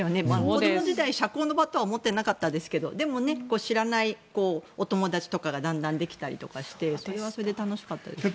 子ども時代、社交の場とは思ってなかったですけど知らないお友達とかがだんだんできたりとかしてそれはそれで楽しかったですね。